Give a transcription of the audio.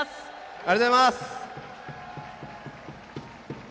ありがとうございます！